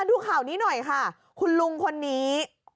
ดูข่าวนี้หน่อยค่ะคุณลุงคนนี้